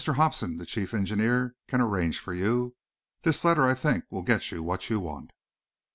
Hobsen, the chief engineer, can arrange for you. This letter I think will get you what you want."